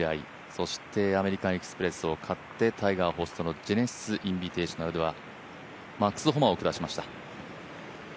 そしてアメリカン・エキスプレスを勝ってタイガーホストのジェネシス・インビテーショナルではマックス・ホマを下しました。